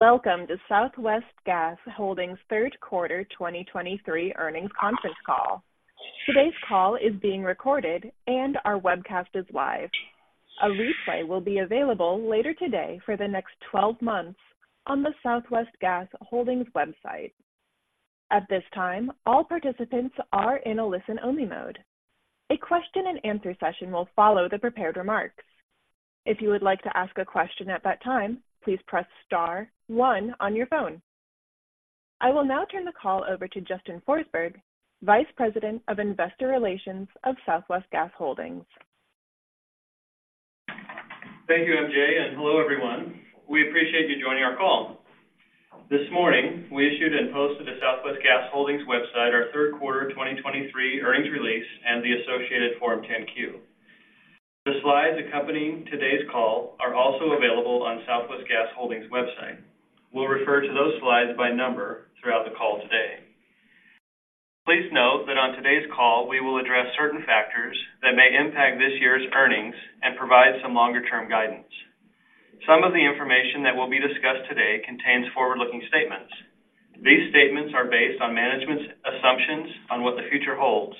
Welcome to Southwest Gas Holdings' Q3 2023 Earnings Conference Call. Today's call is being recorded, and our webcast is live. A replay will be available later today for the next 12 months on the Southwest Gas Holdings website. At this time, all participants are in a listen-only mode. A Q&A session will follow the prepared remarks. If you would like to ask a question at that time, please press star one on your phone. I will now turn the call over to Justin Forsberg, Vice President of Investor Relations of Southwest Gas Holdings. Thank you, MJ, and hello, everyone. We appreciate you joining our call. This morning, we issued and posted to the Southwest Gas Holdings website our Q3 2023 earnings release and the associated Form 10-Q. The slides accompanying today's call are also available on the Southwest Gas Holdings website. We'll refer to those slides by number throughout the call today. Please note that on today's call, we will address certain factors that may impact this year's earnings and provide some longer-term guidance. Some of the information that will be discussed today contains forward-looking statements. These statements are based on management's assumptions on what the future holds,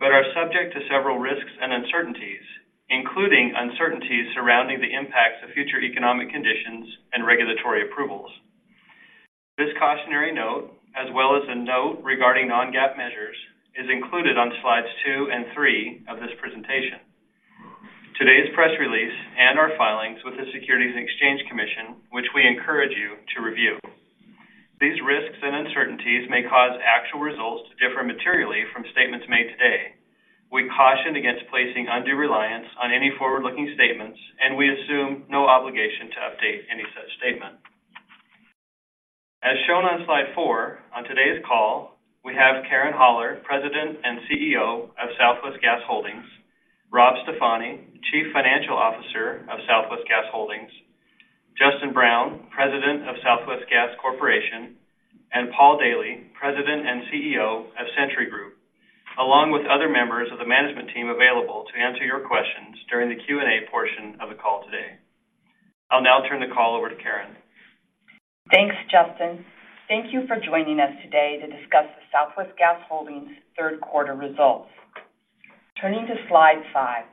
but are subject to several risks and uncertainties, including uncertainties surrounding the impacts of future economic conditions and regulatory approvals. This cautionary note, as well as a note regarding non-GAAP measures, is included on slides two and three of this presentation. Today's press release and our filings with the Securities and Exchange Commission, which we encourage you to review. These risks and uncertainties may cause actual results to differ materially from statements made today. We caution against placing undue reliance on any forward-looking statements, and we assume no obligation to update any such statement. As shown on slide four, on today's call, we have Karen Haller, President and CEO of Southwest Gas Holdings, Rob Stefani, Chief Financial Officer of Southwest Gas Holdings, Justin Brown, President of Southwest Gas Corporation, and Paul Daily, President and CEO of Centuri Group, along with other members of the management team available to answer your questions during the Q&A portion of the call today. I'll now turn the call over to Karen. Thanks, Justin. Thank you for joining us today to discuss the Southwest Gas Holdings Q3 results. Turning to slide five,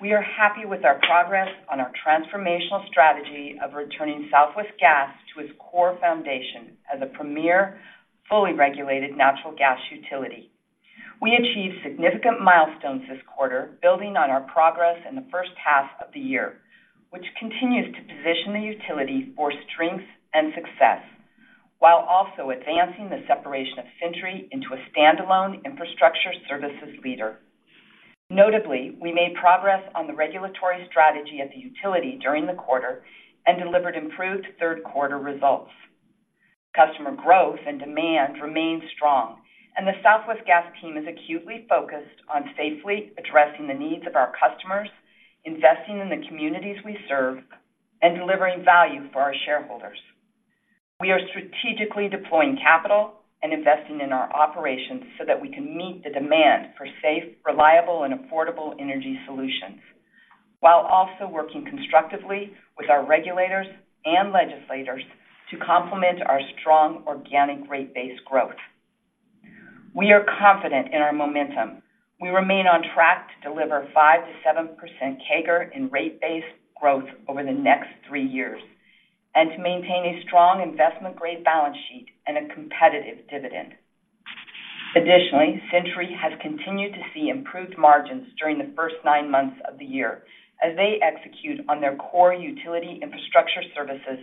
we are happy with our progress on our transformational strategy of returning Southwest Gas to its core foundation as a premier, fully regulated natural gas utility. We achieved significant milestones this quarter, building on our progress in the first half of the year, which continues to position the utility for strength and success, while also advancing the separation of Centuri into a standalone infrastructure services leader. Notably, we made progress on the regulatory strategy of the utility during the quarter and delivered improved Q3 results. Customer growth and demand remain strong, and the Southwest Gas team is acutely focused on safely addressing the needs of our customers, investing in the communities we serve, and delivering value for our shareholders. We are strategically deploying capital and investing in our operations so that we can meet the demand for safe, reliable, and affordable energy solutions, while also working constructively with our regulators and legislators to complement our strong organic rate-based growth. We are confident in our momentum. We remain on track to deliver 5% to 7% CAGR in rate-based growth over the next three years and to maintain a strong investment-grade balance sheet and a competitive dividend. Additionally, Centuri has continued to see improved margins during the first nine months of the year as they execute on their core utility infrastructure services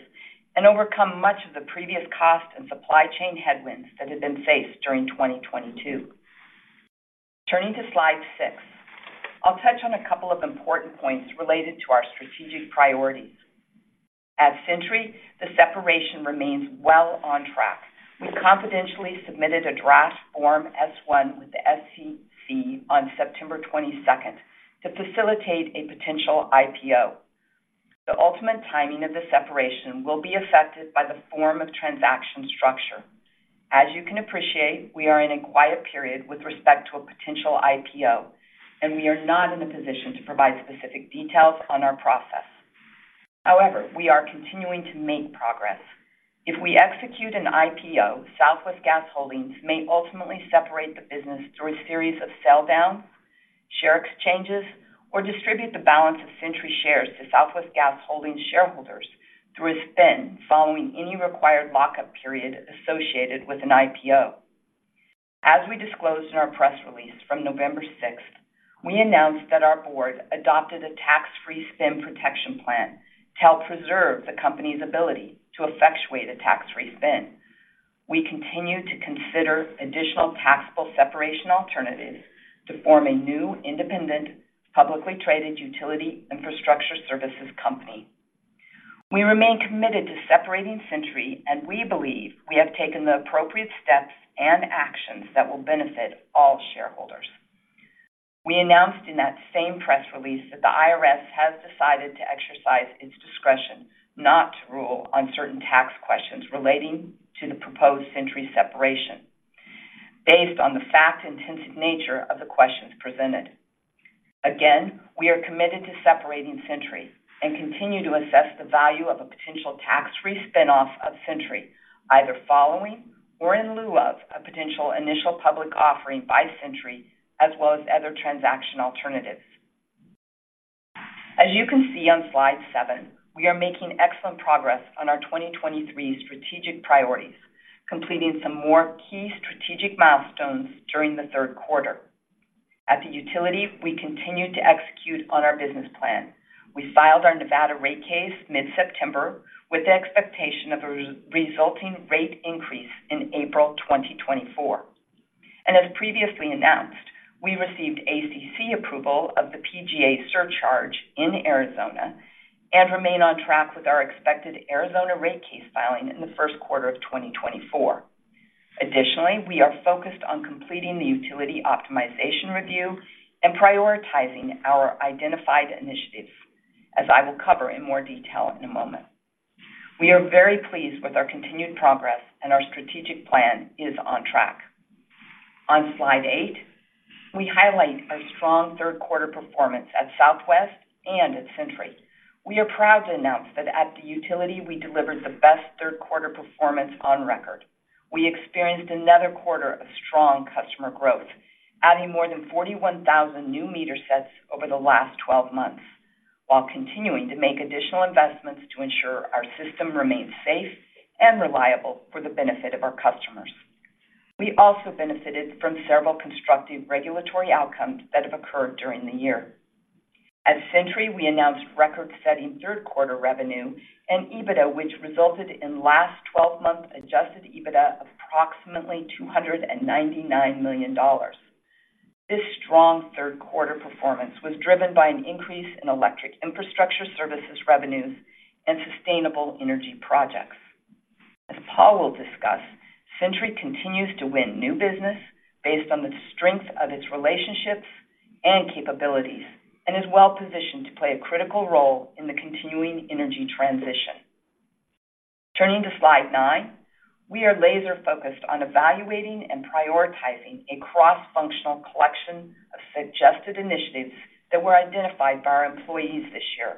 and overcome much of the previous cost and supply chain headwinds that had been faced during 2022. Turning to slide six, I'll touch on a couple of important points related to our strategic priorities. At Centuri, the separation remains well on track. We confidentially submitted a draft Form S-1 with the SEC on September 22nd to facilitate a potential IPO. The ultimate timing of the separation will be affected by the form of transaction structure. As you can appreciate, we are in a quiet period with respect to a potential IPO, and we are not in a position to provide specific details on our process. However, we are continuing to make progress. If we execute an IPO, Southwest Gas Holdings may ultimately separate the business through a series of sell-down, share exchanges, or distribute the balance of Centuri shares to Southwest Gas Holdings shareholders through a spin following any required lock-up period associated with an IPO. As we disclosed in our press release from November 6th, we announced that our board adopted a tax-free spin protection plan to help preserve the company's ability to effectuate a tax-free spin. We continue to consider additional taxable separation alternatives to form a new, independent, publicly traded utility infrastructure services company. We remain committed to separating Centuri, and we believe we have taken the appropriate steps and actions that will benefit all shareholders. We announced in that same press release that the IRS has decided to exercise its discretion not to rule on certain tax questions relating to the proposed Centuri separation, based on the fact-intensive nature of the questions presented. Again, we are committed to separating Centuri and continue to assess the value of a potential tax-free spin-off of Centuri, either following or in lieu of a potential initial public offering by Centuri, as well as other transaction alternatives. As you can see on Slide seven, we are making excellent progress on our 2023 strategic priorities, completing some more key strategic milestones during the Q3. At the utility, we continued to execute on our business plan. We filed our Nevada rate case mid-September, with the expectation of a resulting rate increase in April 2024. As previously announced, we received ACC approval of the PGA surcharge in Arizona and remain on track with our expected Arizona rate case filing in the Q1 of 2024. Additionally, we are focused on completing the utility optimization review and prioritizing our identified initiatives, as I will cover in more detail in a moment. We are very pleased with our continued progress, and our strategic plan is on track. On slide eight, we highlight our strong Q3 performance at Southwest and at Centuri. We are proud to announce that at the utility, we delivered the best Q3 performance on record. We experienced another quarter of strong customer growth, adding more than 41,000 new meter sets over the last 12 months, while continuing to make additional investments to ensure our system remains safe and reliable for the benefit of our customers. We also benefited from several constructive regulatory outcomes that have occurred during the year. At Centuri, we announced record-setting Q3 revenue and EBITDA, which resulted in last 12-month adjusted EBITDA of approximately $299 million. This strong Q3 performance was driven by an increase in electric infrastructure services revenues and sustainable energy projects. As Paul will discuss, Centuri continues to win new business based on the strength of its relationships and capabilities, and is well positioned to play a critical role in the continuing energy transition. Turning to slide nine, we are laser-focused on evaluating and prioritizing a cross-functional collection of suggested initiatives that were identified by our employees this year.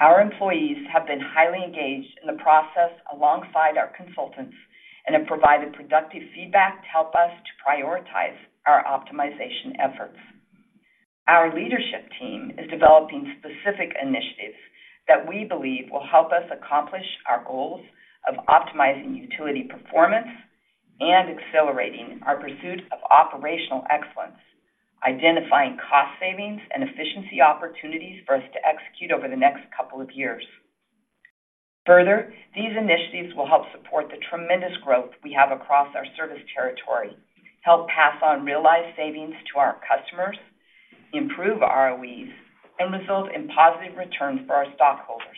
Our employees have been highly engaged in the process alongside our consultants and have provided productive feedback to help us to prioritize our optimization efforts. Our leadership team is developing specific initiatives that we believe will help us accomplish our goals of optimizing utility performance and accelerating our pursuit of operational excellence, identifying cost savings and efficiency opportunities for us to execute over the next couple of years. Further, these initiatives will help support the tremendous growth we have across our service territory, help pass on realized savings to our customers, improve ROEs, and result in positive returns for our stockholders.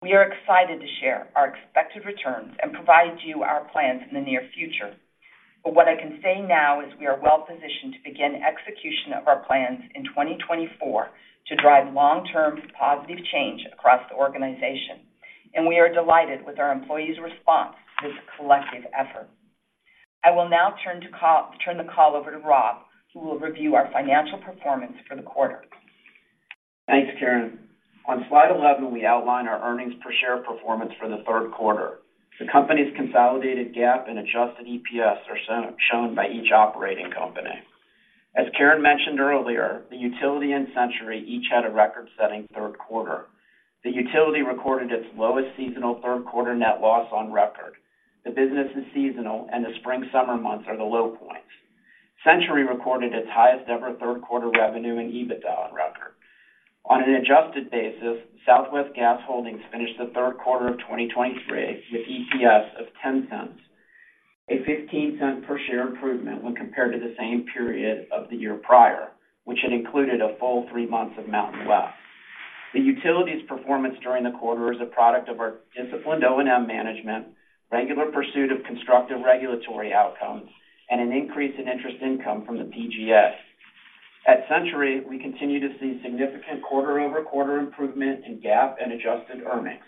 We are excited to share our expected returns and provide you our plans in the near future. But what I can say now is we are well positioned to begin execution of our plans in 2024 to drive long-term positive change across the organization, and we are delighted with our employees' response to this collective effort. I will now turn the call over to Rob, who will review our financial performance for the quarter. Thanks, Karen. On Slide 11, we outline our earnings per share performance for the Q3. The company's consolidated GAAP and adjusted EPS are shown by each operating company. As Karen mentioned earlier, the utility and Centuri each had a record-setting Q3. The utility recorded its lowest seasonal Q3 net loss on record. The business is seasonal, and the spring-summer months are the low points. Centuri recorded its highest-ever Q3 revenue and EBITDA on record. On an adjusted basis, Southwest Gas Holdings finished the Q3 of 2023 with EPS of $0.10, a $0.15 per share improvement when compared to the same period of the year prior, which had included a full three months of MountainWest. The utility's performance during the quarter is a product of our disciplined O&M management, regular pursuit of constructive regulatory outcomes, and an increase in interest income from the PGA. At Centuri, we continue to see significant quarter-over-quarter improvement in GAAP and adjusted earnings.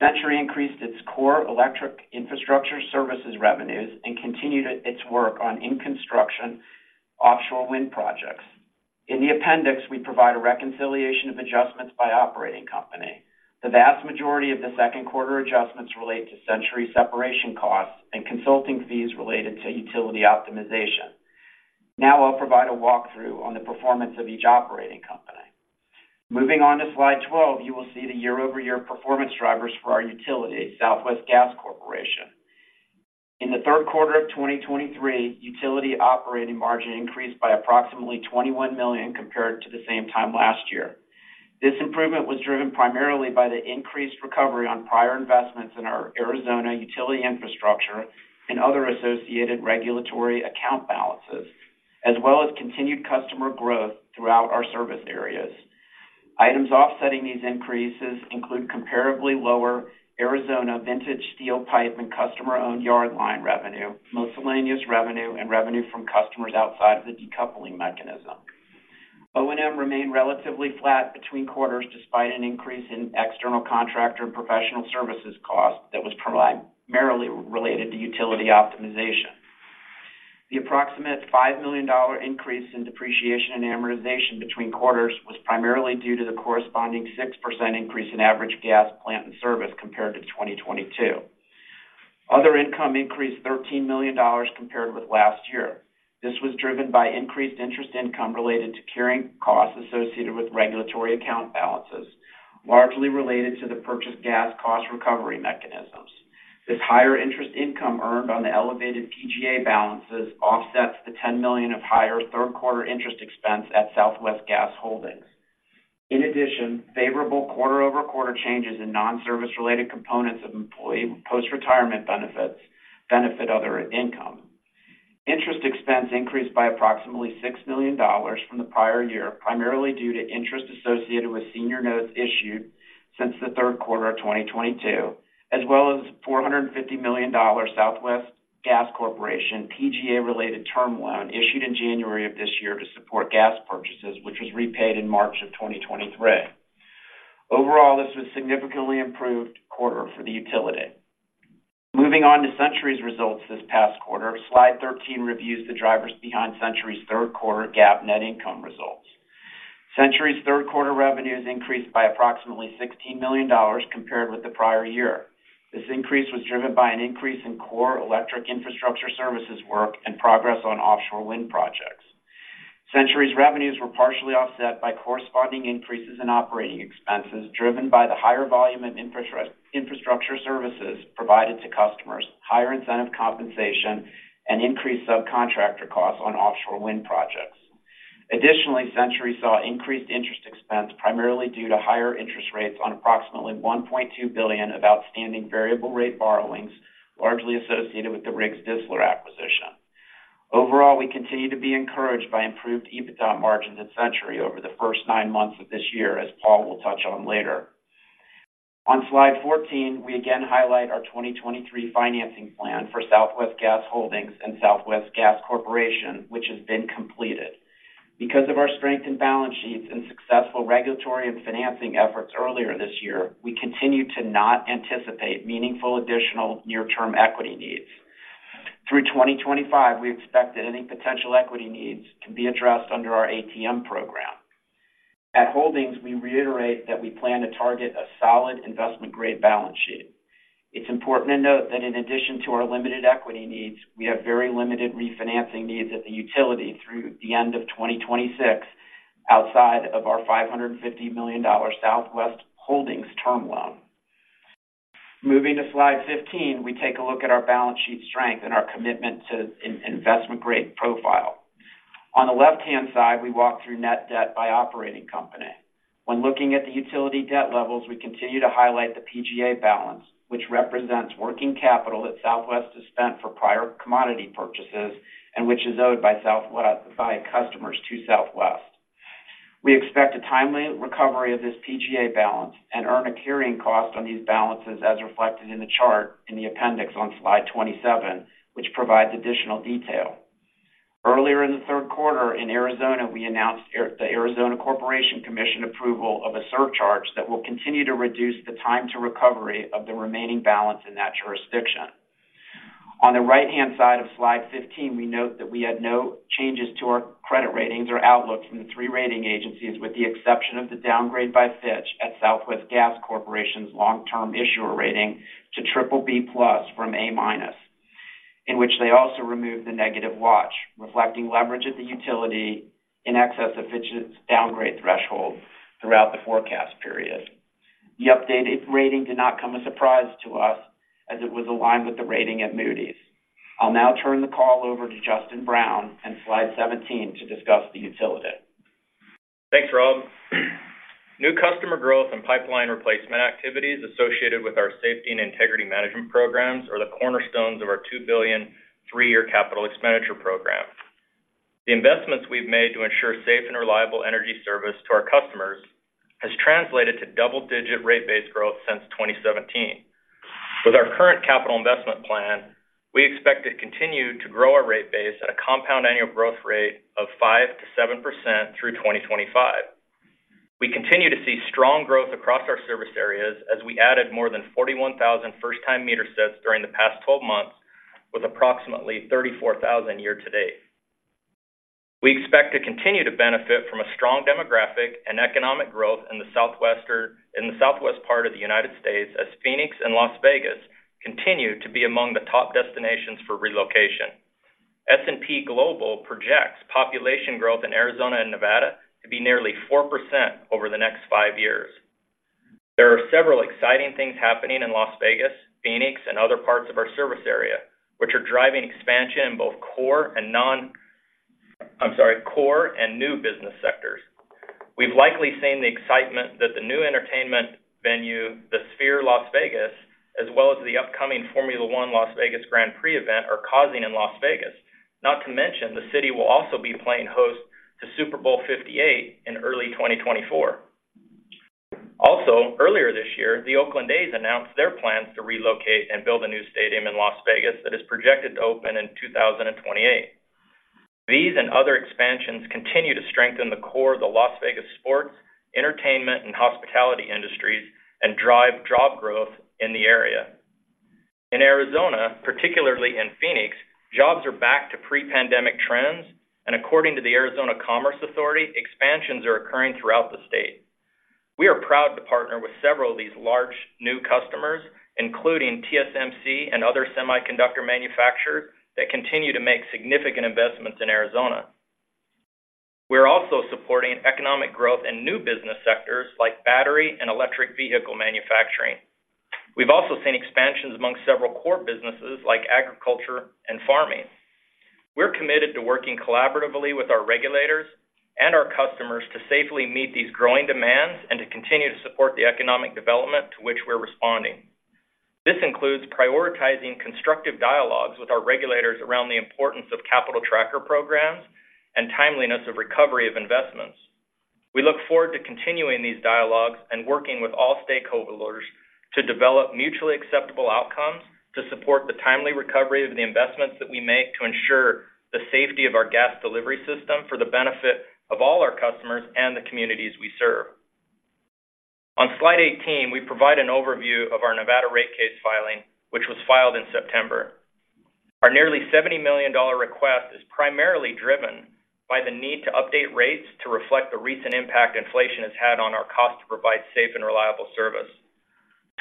Centuri increased its core electric infrastructure services revenues and continued its work on in-construction offshore wind projects. In the appendix, we provide a reconciliation of adjustments by operating company. The vast majority of the Q2 adjustments relate to Centuri separation costs and consulting fees related to utility optimization. Now I'll provide a walkthrough on the performance of each operating company. Moving on to Slide 12, you will see the year-over-year performance drivers for our utility, Southwest Gas Corporation. In the Q3 of 2023, utility operating margin increased by approximately $21 million compared to the same time last year. This improvement was driven primarily by the increased recovery on prior investments in our Arizona utility infrastructure and other associated regulatory account balances, as well as continued customer growth throughout our service areas. Items offsetting these increases include comparably lower Arizona vintage steel pipe and customer-owned yard line revenue, miscellaneous revenue, and revenue from customers outside of the decoupling mechanism. O&M remained relatively flat between quarters, despite an increase in external contractor and professional services costs that was primarily related to utility optimization. The approximate $5 million increase in depreciation and amortization between quarters was primarily due to the corresponding 6% increase in average gas plant in service compared to 2022. Other income increased $13 million compared with last year. This was driven by increased interest income related to carrying costs associated with regulatory account balances, largely related to the purchased gas cost recovery mechanisms. This higher interest income earned on the elevated PGA balances offsets the $10 million of higher Q3 interest expense at Southwest Gas Holdings. In addition, favorable quarter-over-quarter changes in non-service related components of employee post-retirement benefits, benefit other income. Interest expense increased by approximately $6 million from the prior year, primarily due to interest associated with senior notes issued since the Q3 of 2022, as well as $450 million Southwest Gas Corporation PGA-related term loan issued in January of this year to support gas purchases, which was repaid in March of 2023. Overall, this was significantly improved quarter for the utility. Moving on to Centuri's results this past quarter, slide 13 reviews the drivers behind Centuri's Q3 GAAP net income results. Centuri's Q3 revenues increased by approximately $16 million compared with the prior year. This increase was driven by an increase in core electric infrastructure services work and progress on offshore wind projects. Centuri's revenues were partially offset by corresponding increases in operating expenses, driven by the higher volume of infrastructure services provided to customers, higher incentive compensation, and increased subcontractor costs on offshore wind projects. Additionally, Centuri saw increased interest expense, primarily due to higher interest rates on approximately $1.2 billion of outstanding variable rate borrowings, largely associated with the Riggs Distler acquisition. Overall, we continue to be encouraged by improved EBITDA margins at Centuri over the first nine months of this year, as Paul will touch on later. On slide 14, we again highlight our 2023 financing plan for Southwest Gas Holdings and Southwest Gas Corporation, which has been completed. Because of our strength in balance sheets and successful regulatory and financing efforts earlier this year, we continue to not anticipate meaningful additional near-term equity needs. Through 2025, we expect that any potential equity needs can be addressed under our ATM program. At Holdings, we reiterate that we plan to target a solid investment-grade balance sheet. It's important to note that in addition to our limited equity needs, we have very limited refinancing needs at the utility through the end of 2026, outside of our $550 million Southwest Holdings term loan. Moving to slide 15, we take a look at our balance sheet strength and our commitment to an investment-grade profile. On the left-hand side, we walk through net debt by operating company. When looking at the utility debt levels, we continue to highlight the PGA balance, which represents working capital that Southwest has spent for prior commodity purchases and which is owed by customers to Southwest. We expect a timely recovery of this PGA balance and earn a carrying cost on these balances, as reflected in the chart in the appendix on slide 27, which provides additional detail. Earlier in the Q3 in Arizona, we announced the Arizona Corporation Commission approval of a surcharge that will continue to reduce the time to recovery of the remaining balance in that jurisdiction. On the right-hand side of slide 15, we note that we had no changes to our credit ratings or outlook from the three rating agencies, with the exception of the downgrade by Fitch at Southwest Gas Corporation's long-term issuer rating to BBB+ from A-, in which they also removed the negative watch, reflecting leverage of the utility in excess of Fitch's downgrade threshold throughout the forecast period. The updated rating did not come as a surprise to us as it was aligned with the rating at Moody's. I'll now turn the call over to Justin Brown and slide 17 to discuss the utility. Thanks, Rob. New customer growth and pipeline replacement activities associated with our safety and integrity management programs are the cornerstones of our $2 billion, three-year capital expenditure program. The investments we've made to ensure safe and reliable energy service to our customers has translated to double-digit rate base growth since 2017. With our current capital investment plan, we expect to continue to grow our rate base at a compound annual growth rate of 5% to 7% through 2025. We continue to see strong growth across our service areas as we added more than 41,000 first-time meter sets during the past 12 months, with approximately 34,000 year to date. We expect to continue to benefit from a strong demographic and economic growth in the southwest part of the United States, as Phoenix and Las Vegas continue to be among the top destinations for relocation. S&P Global projects population growth in Arizona and Nevada to be nearly 4% over the next five years. There are several exciting things happening in Las Vegas, Phoenix, and other parts of our service area, which are driving expansion in both core and new business sectors. We've likely seen the excitement that the new entertainment venue, the Sphere Las Vegas, as well as the upcoming Formula One Las Vegas Grand Prix event, are causing in Las Vegas. Not to mention, the city will also be playing host to Super Bowl 58 in early 2024. Also, earlier this year, the Oakland A's announced their plans to relocate and build a new stadium in Las Vegas that is projected to open in 2028. These and other expansions continue to strengthen the core of the Las Vegas sports, entertainment, and hospitality industries and drive job growth in the area. In Arizona, particularly in Phoenix, jobs are back to pre-pandemic trends, and according to the Arizona Commerce Authority, expansions are occurring throughout the state. We are proud to partner with several of these large new customers, including TSMC and other semiconductor manufacturers, that continue to make significant investments in Arizona. We're also supporting economic growth in new business sectors like battery and electric vehicle manufacturing. We've also seen expansions among several core businesses like agriculture and farming. We're committed to working collaboratively with our regulators and our customers to safely meet these growing demands and to continue to support the economic development to which we're responding. This includes prioritizing constructive dialogues with our regulators around the importance of capital tracker programs and timeliness of recovery of investments. We look forward to continuing these dialogues and working with all stakeholders to develop mutually acceptable outcomes to support the timely recovery of the investments that we make to ensure the safety of our gas delivery system for the benefit of all our customers and the communities we serve. On slide 18, we provide an overview of our Nevada rate case filing, which was filed in September. Our nearly $70 million request is primarily driven by the need to update rates to reflect the recent impact inflation has had on our cost to provide safe and reliable service.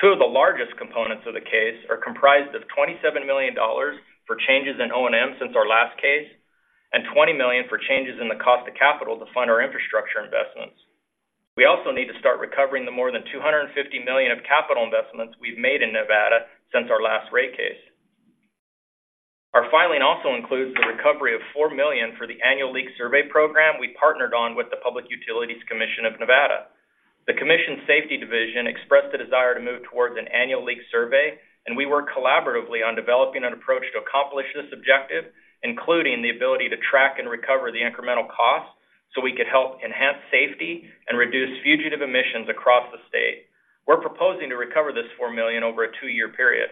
Two of the largest components of the case are comprised of $27 million for changes in O&M since our last case, and $20 million for changes in the cost of capital to fund our infrastructure investments. We also need to start recovering the more than $250 million of capital investments we've made in Nevada since our last rate case. Our filing also includes the recovery of $4 million for the annual leak survey program we partnered on with the Public Utilities Commission of Nevada. The Commission Safety Division expressed the desire to move towards an annual leak survey, and we worked collaboratively on developing an approach to accomplish this objective, including the ability to track and recover the incremental costs, so we could help enhance safety and reduce fugitive emissions across the state. We're proposing to recover this $4 million over a two-year period.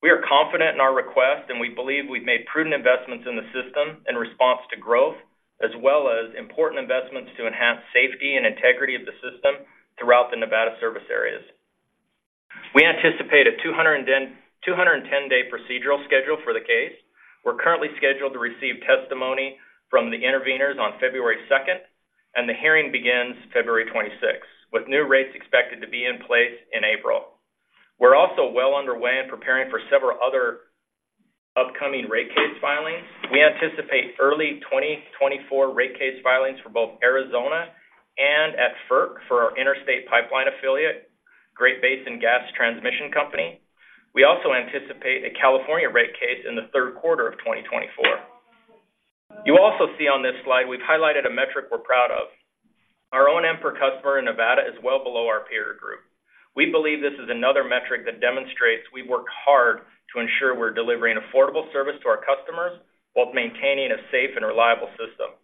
We are confident in our request, and we believe we've made prudent investments in the system in response to growth, as well as important investments to enhance safety and integrity of the system throughout the Nevada service areas. We anticipate a 210-day procedural schedule for the case. We're currently scheduled to receive testimony from the interveners on February 2nd, and the hearing begins February 26th, with new rates expected to be in place in April. We're also well underway in preparing for several other upcoming rate case filings. We anticipate early 2024 rate case filings for both Arizona and at FERC, for our interstate pipeline affiliate, Great Basin Gas Transmission Company. We also anticipate a California rate case in the Q3 of 2024. You also see on this slide, we've highlighted a metric we're proud of. Our O&M per customer in Nevada is well below our peer group. We believe this is another metric that demonstrates we work hard to ensure we're delivering affordable service to our customers, while maintaining a safe and reliable system.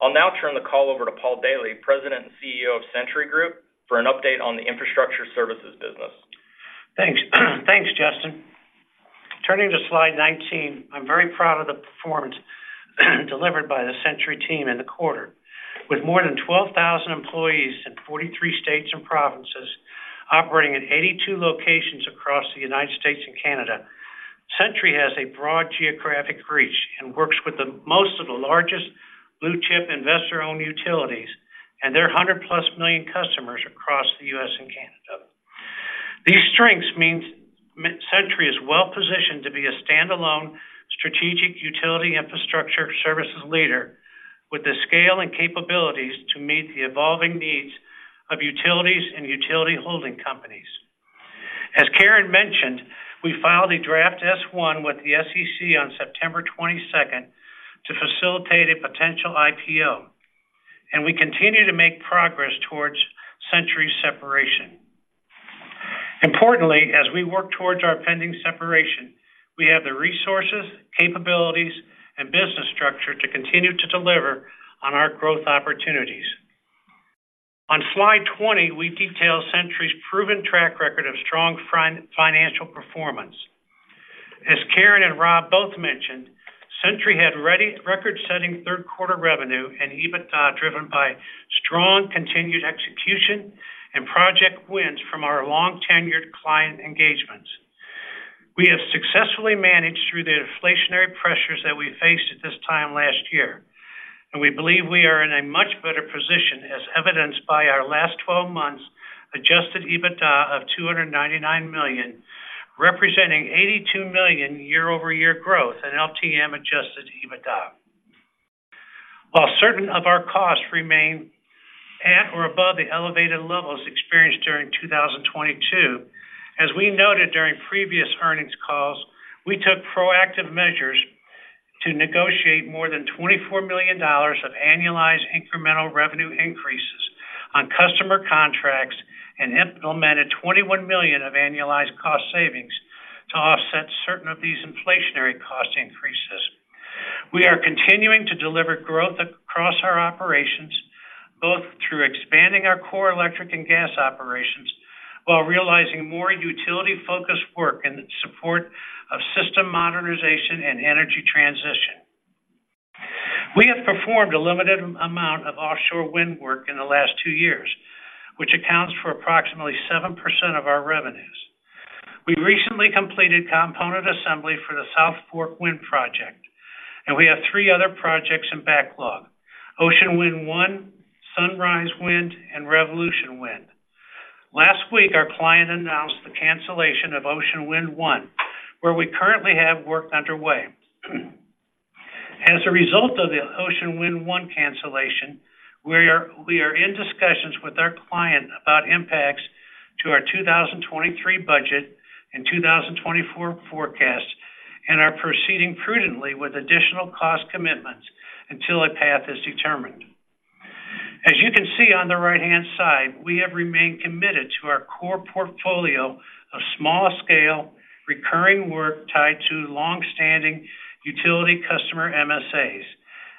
I'll now turn the call over to Paul Daily, President and CEO of Centuri Group, for an update on the infrastructure services business. Thanks. Thanks, Justin. Turning to slide 19, I'm very proud of the performance delivered by the Centuri team in the quarter. With more than 12,000 employees in 43 states and provinces, operating in 82 locations across the United States and Canada, Centuri has a broad geographic reach and works with the most of the largest blue-chip investor-owned utilities and their 100+ million customers across the U.S. and Canada. These strengths means Centuri is well-positioned to be a standalone strategic utility infrastructure services leader, with the scale and capabilities to meet the evolving needs of utilities and utility holding companies. As Karen mentioned, we filed a draft S-1 with the SEC on September 22nd to facilitate a potential IPO, and we continue to make progress towards Centuri separation. Importantly, as we work towards our pending separation, we have the resources, capabilities, and business structure to continue to deliver on our growth opportunities. On slide 20, we detail Centuri's proven track record of strong financial performance. As Karen and Rob both mentioned, Centuri had record-setting Q3 revenue and EBITDA, driven by strong continued execution and project wins from our long-tenured client engagements. We have successfully managed through the inflationary pressures that we faced at this time last year, and we believe we are in a much better position, as evidenced by our last 12 months adjusted EBITDA of $299 million, representing $82 million year-over-year growth in LTM-adjusted EBITDA. While certain of our costs remain at or above the elevated levels experienced during 2022, as we noted during previous earnings calls, we took proactive measures to negotiate more than $24 million of annualized incremental revenue increases on customer contracts and implemented $21 million of annualized cost savings to offset certain of these inflationary cost increases. We are continuing to deliver growth across our operations, both through expanding our core electric and gas operations, while realizing more utility-focused work in support of system modernization and energy transition. We have performed a limited amount of offshore wind work in the last two years, which accounts for approximately 7% of our revenues. We recently completed component assembly for the South Fork Wind Project, and we have three other projects in backlog: Ocean Wind 1, Sunrise Wind, and Revolution Wind. Last week, our client announced the cancellation of Ocean Wind 1, where we currently have work underway. As a result of the Ocean Wind 1 cancellation, we are in discussions with our client about impacts to our 2023 budget and 2024 forecast, and are proceeding prudently with additional cost commitments until a path is determined. As you can see on the right-hand side, we have remained committed to our core portfolio of small-scale, recurring work tied to long-standing utility customer MSAs,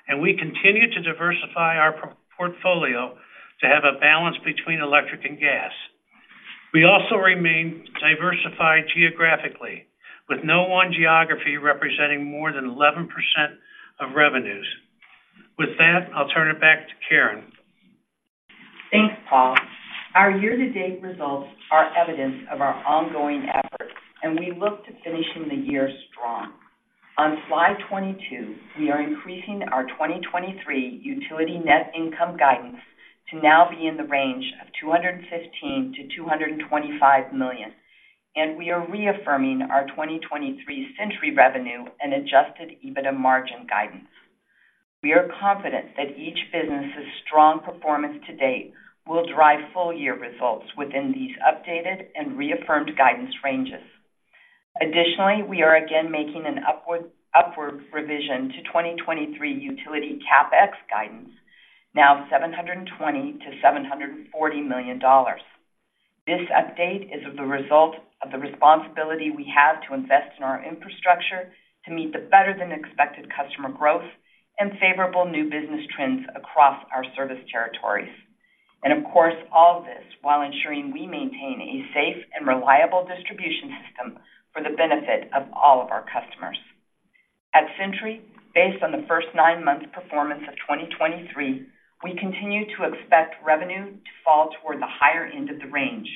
and we continue to diversify our portfolio to have a balance between electric and gas. We also remain diversified geographically, with no one geography representing more than 11% of revenues. With that, I'll turn it back to Karen. Thanks, Paul. Our year-to-date results are evidence of our ongoing efforts, and we look to finishing the year strong. On slide 22, we are increasing our 2023 utility net income guidance to now be in the range of $215 million to 225 million, and we are reaffirming our 2023 Centuri revenue and adjusted EBITDA margin guidance. We are confident that each business's strong performance to date will drive full-year results within these updated and reaffirmed guidance ranges. Additionally, we are again making an upward revision to 2023 utility CapEx guidance, now $720 million to 740 million. This update is the result of the responsibility we have to invest in our infrastructure to meet the better-than-expected customer growth and favorable new business trends across our service territories. Of course, all this while ensuring we maintain a safe and reliable distribution system for the benefit of all of our customers. At Centuri, based on the first nine months performance of 2023, we continue to expect revenue to fall toward the higher end of the range,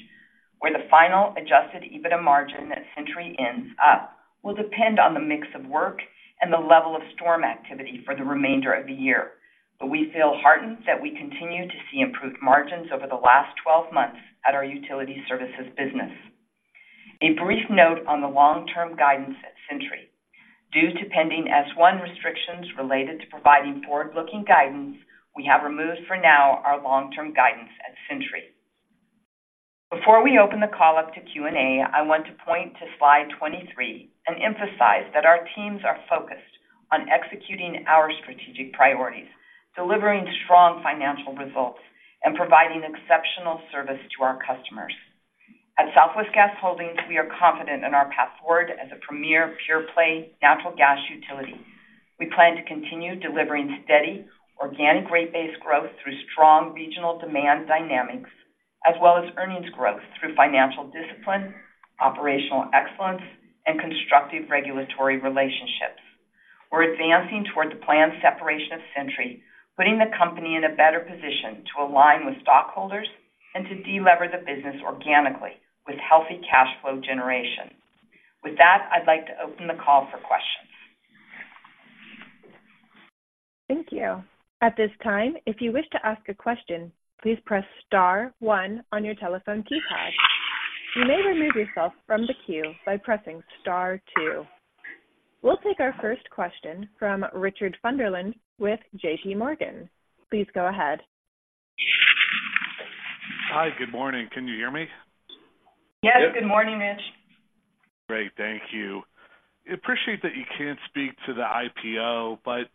where the final adjusted EBITDA margin at Centuri ends up, will depend on the mix of work and the level of storm activity for the remainder of the year. But we feel heartened that we continue to see improved margins over the last 12 months at our utility services business. A brief note on the long-term guidance at Centuri. Due to pending S-1 restrictions related to providing forward-looking guidance, we have removed for now our long-term guidance at Centuri. Before we open the call up to Q&A, I want to point to slide 23 and emphasize that our teams are focused on executing our strategic priorities, delivering strong financial results, and providing exceptional service to our customers. At Southwest Gas Holdings, we are confident in our path forward as a premier, pure-play natural gas utility. We plan to continue delivering steady, organic, rate-based growth through strong regional demand dynamics, as well as earnings growth through financial discipline, operational excellence, and constructive regulatory relationships. We're advancing toward the planned separation of Centuri, putting the company in a better position to align with stockholders and to delever the business organically with healthy cash flow generation. With that, I'd like to open the call for questions. Thank you. At this time, if you wish to ask a question, please press star one on your telephone keypad. You may remove yourself from the queue by pressing star two. We'll take our first question from Richard Sunderland with JPMorgan. Please go ahead. Hi, good morning. Can you hear me? Yes, good morning, Rich. Great. Thank you. I appreciate that you can't speak to the IPO, but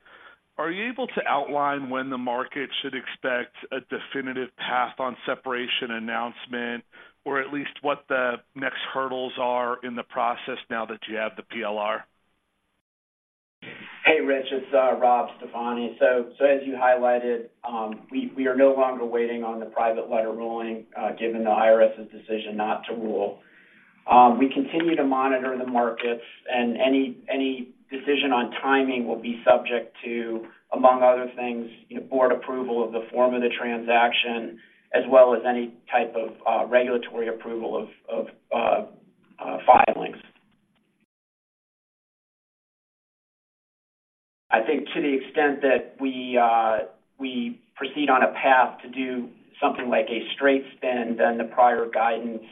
are you able to outline when the market should expect a definitive path on separation announcement, or at least what the next hurdles are in the process now that you have the PLR? Hey, Rich, it's Rob Stefani. So as you highlighted, we are no longer waiting on the private letter ruling, given the IRS's decision not to rule. We continue to monitor the markets and any decision on timing will be subject to, among other things, you know, board approval of the form of the transaction, as well as any type of regulatory approval of filings. I think to the extent that we proceed on a path to do something like a straight spin, then the prior guidance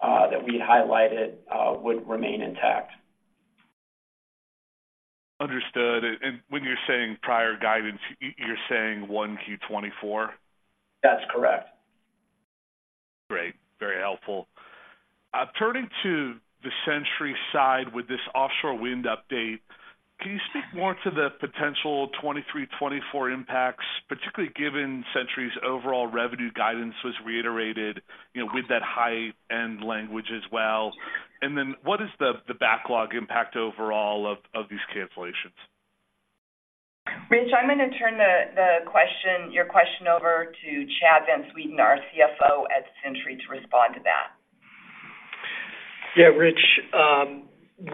that we had highlighted would remain intact. Understood. And when you're saying prior guidance, you're saying Q1 2024? That's correct. Great. Very helpful. Turning to the Centuri side with this offshore wind update, can you speak more to the potential 2023, 2024 impacts, particularly given Centuri's overall revenue guidance was reiterated, you know, with that high-end language as well? And then what is the backlog impact overall of these cancellations? Rich, I'm going to turn the question, your question over to Chad Van Sweden, our CFO at Centuri, to respond to that. Yeah, Rich,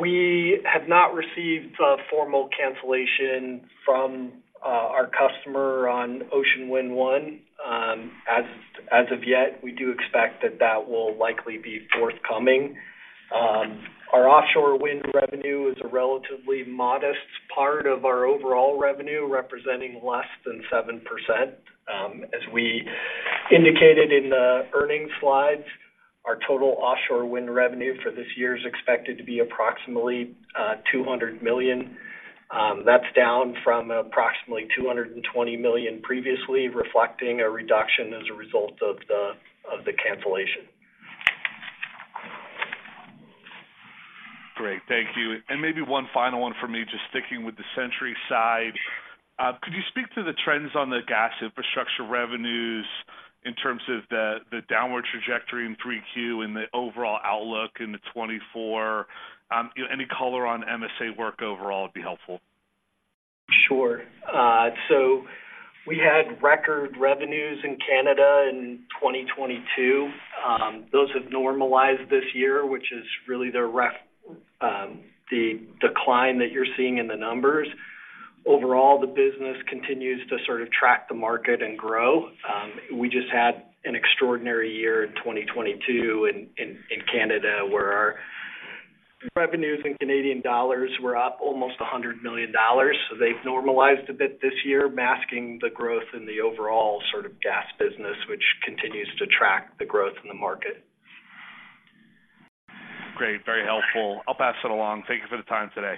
we have not received a formal cancellation from our customer on Ocean Wind One. As of yet, we do expect that that will likely be forthcoming. Our offshore wind revenue is a relatively modest part of our overall revenue, representing less than 7%. As we indicated in the earnings slides, our total offshore wind revenue for this year is expected to be approximately $200 million. That's down from approximately $220 million previously, reflecting a reduction as a result of the cancellation. Great. Thank you. Maybe one final one for me, just sticking with the Centuri side. Could you speak to the trends on the gas infrastructure revenues in terms of the downward trajectory in Q3 and the overall outlook in 2024? Any color on MSA work overall would be helpful. Sure. So we had record revenues in Canada in 2022. Those have normalized this year, which is really the decline that you're seeing in the numbers. Overall, the business continues to sort of track the market and grow. We just had an extraordinary year in 2022 in Canada, where our revenues in Canadian dollars were up almost 100 million dollars. So they've normalized a bit this year, masking the growth in the overall sort of gas business, which continues to track the growth in the market. Great. Very helpful. I'll pass it along. Thank you for the time today.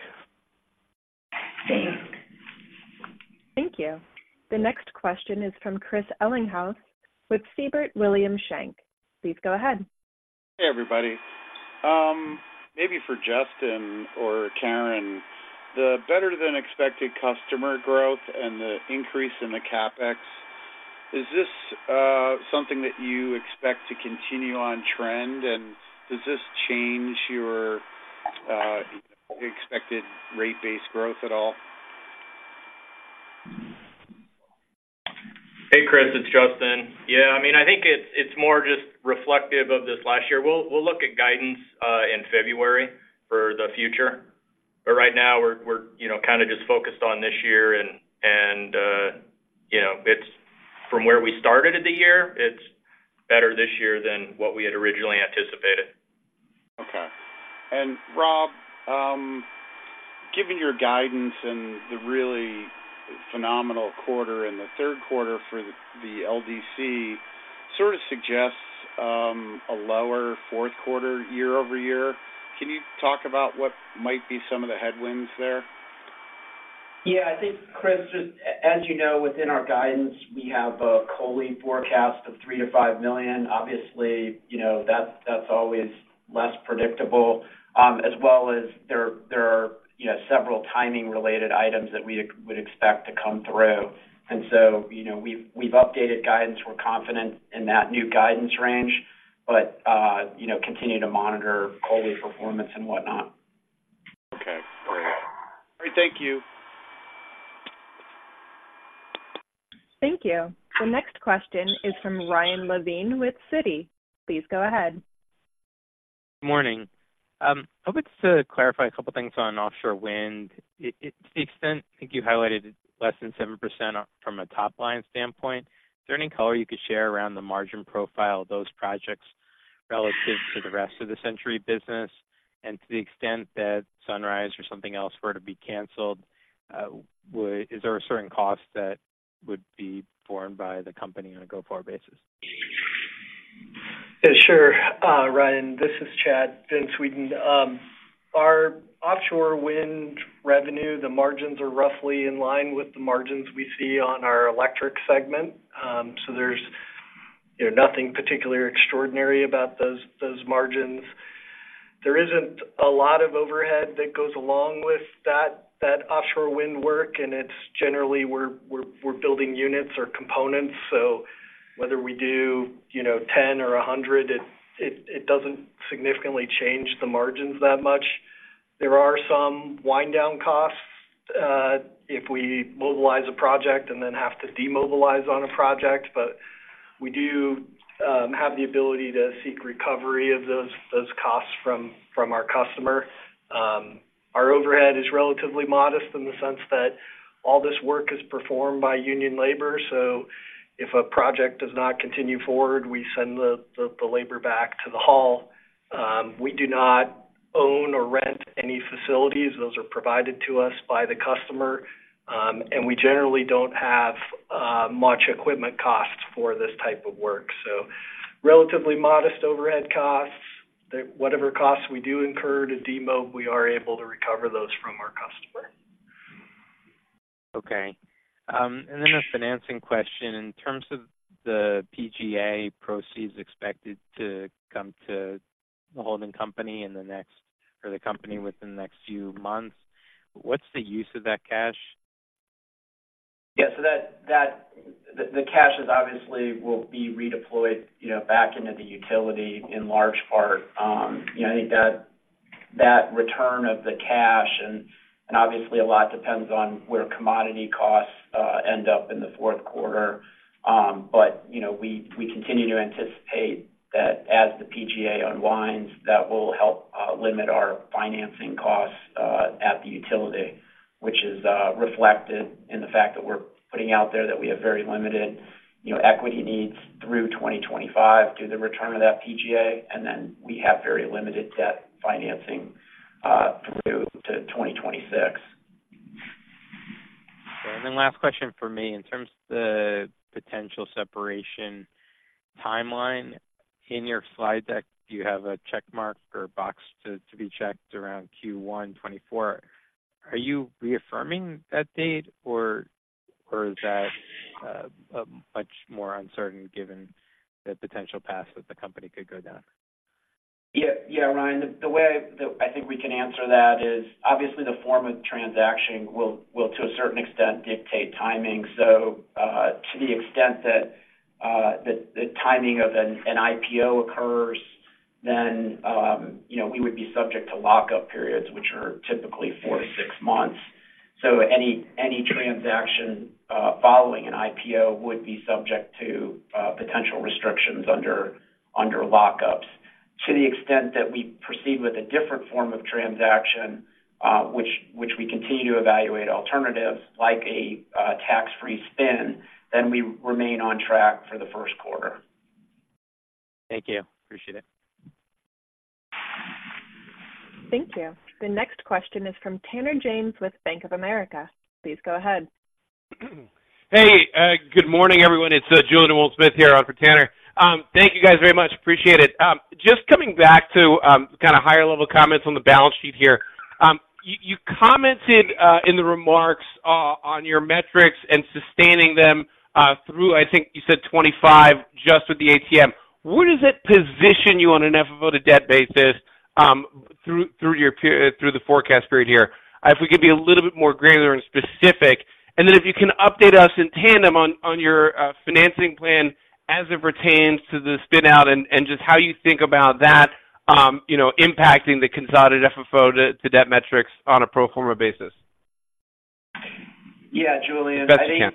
Thanks. Thank you. The next question is from Chris Ellinghaus with Siebert Williams Shank. Please go ahead. Hey, everybody. Maybe for Justin or Karen, the better-than-expected customer growth and the increase in the CapEx, is this something that you expect to continue on trend? And does this change your expected rate-based growth at all? Hey, Chris, it's Justin. Yeah, I mean, I think it's more just reflective of this last year. We'll look at guidance in February for the future, but right now we're, you know, kind of just focused on this year and, and, you know, it's from where we started the year. It's better this year than what we had originally anticipated. Okay. Rob, given your guidance and the really phenomenal quarter in the Q3 for the LDC, sort of suggests a lower Q4 year-over-year. Can you talk about what might be some of the headwinds there? Yeah, I think, Chris, just as you know, within our guidance, we have a COLI forecast of $3 million to 5 million. Obviously, you know, that's, that's always less predictable, as well as there are, you know, several timing-related items that we would expect to come through. And so, you know, we've updated guidance. We're confident in that new guidance range, but, you know, continue to monitor COLI performance and whatnot. Okay, great. All right. Thank you. Thank you. The next question is from Ryan Levine with Citi. Please go ahead. Morning. I hope it's to clarify a couple of things on offshore wind. The extent, I think you highlighted less than 7% from a top-line standpoint. Is there any color you could share around the margin profile of those projects relative to the rest of the Centuri business? And to the extent that Sunrise or something else were to be canceled, is there a certain cost that would be borne by the company on a go-forward basis? Yeah, sure. Ryan, this is Chad Van Sweden. Our offshore wind revenue, the margins are roughly in line with the margins we see on our electric segment. So there's, you know, nothing particularly extraordinary about those margins. There isn't a lot of overhead that goes along with that offshore wind work, and it's generally we're building units or components. So whether we do, you know, 10 or 100, it doesn't significantly change the margins that much. There are some wind down costs, if we mobilize a project and then have to demobilize on a project, but we do have the ability to seek recovery of those costs from our customer. Our overhead is relatively modest in the sense that all this work is performed by union labor, so if a project does not continue forward, we send the labor back to the hall. We do not own or rent any facilities. Those are provided to us by the customer, and we generally don't have much equipment costs for this type of work. So relatively modest overhead costs. Whatever costs we do incur to demo, we are able to recover those from our customer. Okay. And then a financing question. In terms of the PGA proceeds expected to come to the holding company in the next, or the company within the next few months, what's the use of that cash? Yeah, so that, The cash is obviously will be redeployed, you know, back into the utility in large part. You know, I think that that return of the cash, and, and obviously a lot depends on where commodity costs end up in the Q4. But, you know, we, we continue to anticipate that as the PGA unwinds, that will help limit our financing costs at the utility, which is reflected in the fact that we're putting out there that we have very limited, you know, equity needs through 2025 due to the return of that PGA. And then we have very limited debt financing through to 2026. Okay. And then last question for me. In terms of the potential separation timeline, in your slide deck, do you have a check mark or box to, to be checked around Q1 2024? Are you reaffirming that date or, or is that a much more uncertain given the potential paths that the company could go down? Yeah, yeah, Ryan, the way that I think we can answer that is, obviously, the form of transaction will, to a certain extent, dictate timing. So, to the extent that the timing of an IPO occurs, then, you know, we would be subject to lockup periods, which are typically four to six months. So any transaction following an IPO would be subject to potential restrictions under lockups. To the extent that we proceed with a different form of transaction, which we continue to evaluate alternatives like a tax-free spin, then we remain on track for the Q1. Thank you. Appreciate it. Thank you. The next question is from Tanner James with Bank of America. Please go ahead. Hey, good morning, everyone. It's Julien Dumoulin-Smith here on for Tanner. Thank you, guys, very much. Appreciate it. Just coming back to kind of higher-level comments on the balance sheet here. You commented in the remarks on your metrics and sustaining them through, I think you said 25, just with the ATM. Where does it position you on an FFO to debt basis through your period-through the forecast period here? If we could be a little bit more granular and specific, and then if you can update us in tandem on your financing plan as it pertains to the spin-out and just how you think about that, you know, impacting the consolidated FFO to debt metrics on a pro forma basis. Yeah, Julien. The best you can.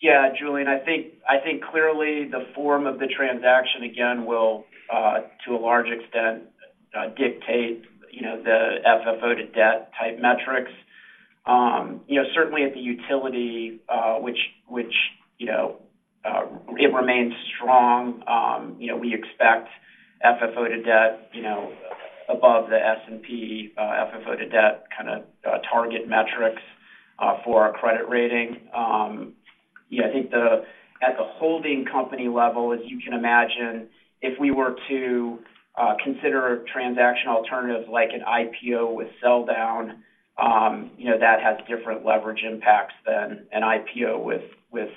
Yeah, Julien, I think clearly the form of the transaction, again, will to a large extent dictate, you know, the FFO to debt type metrics. You know, certainly at the utility, which, you know, it remains strong, you know, we expect FFO to debt, you know, above the S&P FFO to debt kind of target metrics for our credit rating. Yeah, I think at the holding company level, as you can imagine, if we were to consider a transaction alternative like an IPO with sell down, you know, that has different leverage impacts than an IPO with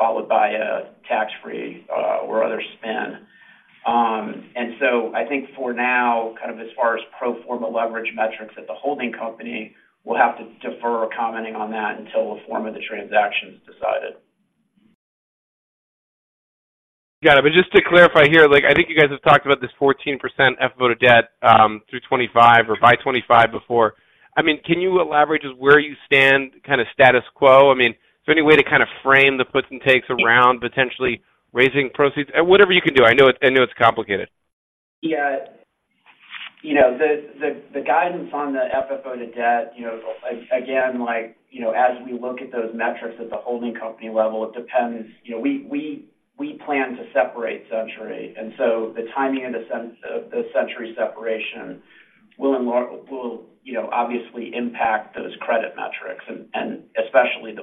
followed by a tax-free or other spin. And so I think for now, kind of as far as pro forma leverage metrics at the holding company, we'll have to defer commenting on that until the form of the transaction is decided. Got it. But just to clarify here, like, I think you guys have talked about this 14% FFO to debt through 25 or by 25 before. I mean, can you elaborate just where you stand kind of status quo? I mean, is there any way to kind of frame the puts and takes around potentially raising proceeds? Whatever you can do. I know it's, I know it's complicated. Yeah. You know, the guidance on the FFO to debt, you know, again, like, you know, as we look at those metrics at the holding company level, it depends. You know, we plan to separate Centuri, and so the timing of the Centuri separation will, you know, obviously impact those credit metrics and especially the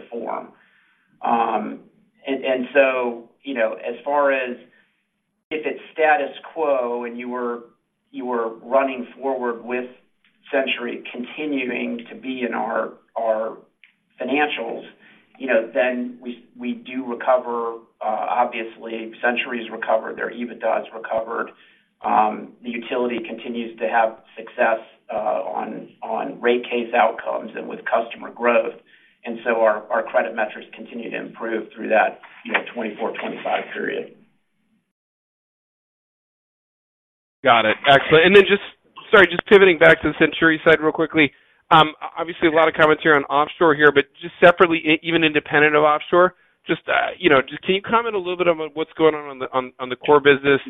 FFO. And so, you know, as far as if it's status quo and you were running forward with Centuri continuing to be in our financials, you know, then we do recover, obviously, Centuri's recovered, their EBITDA's recovered. The utility continues to have success on rate case outcomes and with customer growth, and so our credit metrics continue to improve through that, you know, 2024, 2025 period. Got it. Excellent. And then just., Sorry, just pivoting back to the Centuri side real quickly. Obviously, a lot of comments here on offshore here, but just separately, even independent of offshore, just, you know, just can you comment a little bit on what's going on, on the core business,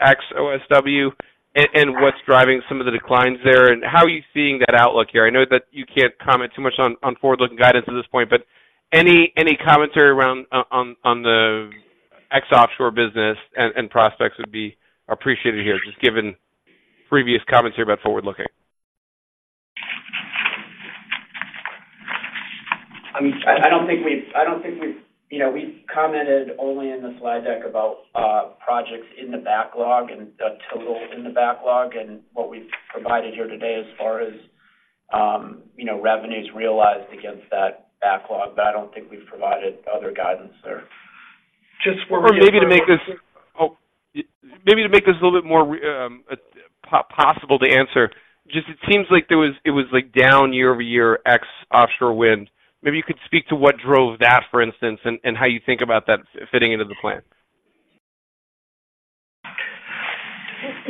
ex-OSW, and what's driving some of the declines there, and how are you seeing that outlook here? I know that you can't comment too much on forward-looking guidance at this point, but any commentary around on the ex-offshore business and prospects would be appreciated here, just given previous comments here about forward-looking. I mean, I don't think we've, you know, we've commented only in the slide deck about projects in the backlog and the total in the backlog and what we've provided here today as far as, you know, revenues realized against that backlog, but I don't think we've provided other guidance there. Maybe to make this a little bit more possible to answer, just it seems like there was like down year-over-year, ex offshore wind. Maybe you could speak to what drove that, for instance, and how you think about that fitting into the plan.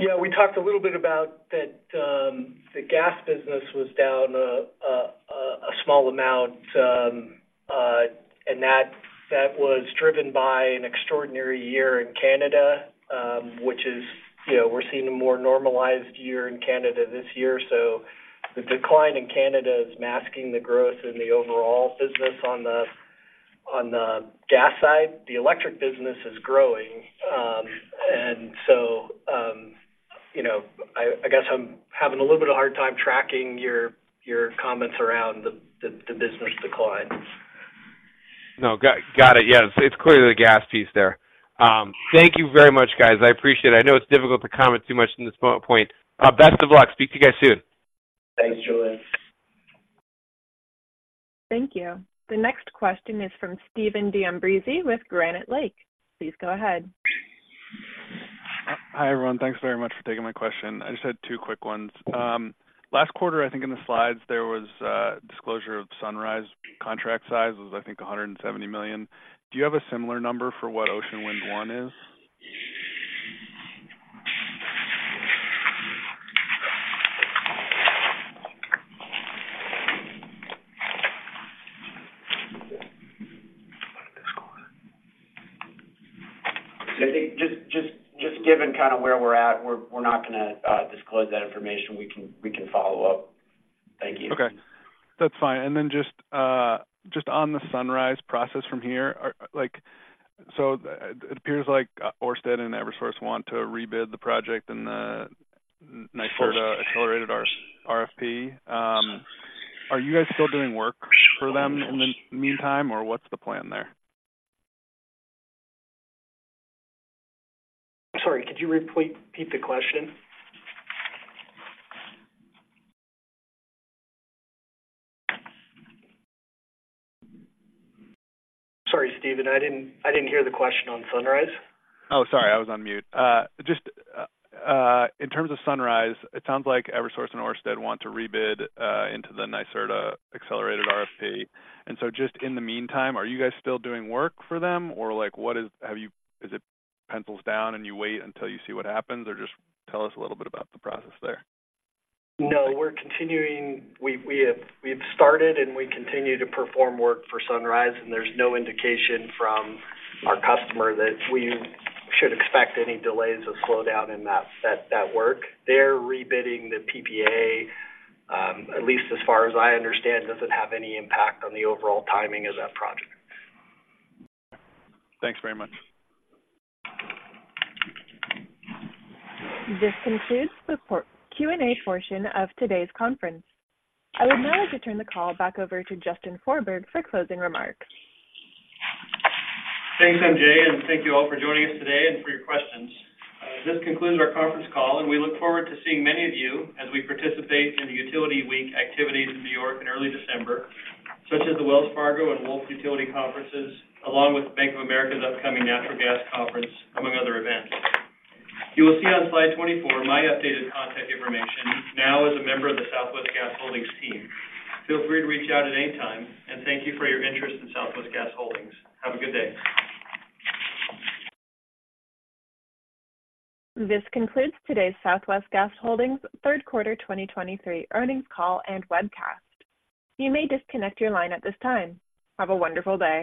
Yeah, we talked a little bit about that, the gas business was down a small amount, and that was driven by an extraordinary year in Canada, which is, you know, we're seeing a more normalized year in Canada this year. So the decline in Canada is masking the growth in the overall business on the gas side. The electric business is growing. And so, you know, I guess I'm having a little bit of a hard time tracking your comments around the business decline. No, got it. Yeah, it's clearly the gas piece there. Thank you very much, guys. I appreciate it. I know it's difficult to comment too much from this point. Best of luck. Speak to you guys soon. Thanks, Julien. Thank you. The next question is from Stephen D'Ambrisi with Granite Lake. Please go ahead. Hi, everyone. Thanks very much for taking my question. I just had two quick ones. Last quarter, I think in the slides, there was a disclosure of Sunrise contract size was, I think, $170 million. Do you have a similar number for what Ocean Wind 1 is? I think just given kind of where we're at, we're not gonna disclose that information. We can follow up. Thank you. Okay, that's fine. And then just on the Sunrise process from here, are—like, so it appears like Ørsted and Eversource want to rebid the project and the NYSERDA accelerated RFP. Are you guys still doing work for them in the meantime, or what's the plan there? Sorry, could you repeat the question? Sorry, Steven, I didn't hear the question on Sunrise. Oh, sorry, I was on mute. Just, in terms of Sunrise, it sounds like Eversource and Ørsted want to rebid into the NYSERDA accelerated RFP. And so just in the meantime, are you guys still doing work for them, or like, what is. Have you, Is it pencils down and you wait until you see what happens? Or just tell us a little bit about the process there. No, we're continuing. We have started and we continue to perform work for Sunrise, and there's no indication from our customer that we should expect any delays or slowdown in that work. They're rebidding the PPA, at least as far as I understand, doesn't have any impact on the overall timing of that project. Thanks very much. This concludes the Q&A portion of today's conference. I would now like to turn the call back over to Justin Forsberg for closing remarks. Thanks, MJ, and thank you all for joining us today and for your questions. This concludes our conference call, and we look forward to seeing many of you as we participate in the Utility Week activities in New York in early December, such as the Wells Fargo and Wolfe Utility conferences, along with Bank of America's upcoming Natural Gas Conference, among other events. You will see on slide 24 my updated contact information now as a member of the Southwest Gas Holdings team. Feel free to reach out at any time, and thank you for your interest in Southwest Gas Holdings. Have a good day. This concludes today's Southwest Gas Holdings Q3 2023 earnings call and webcast. You may disconnect your line at this time. Have a wonderful day.